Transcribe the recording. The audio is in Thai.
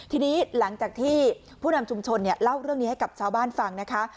ทีนี้หลังจากที่ผู้นำชุมชนเล่าเรื่องนี้ให้กับชาวบ้านฟังนะคะ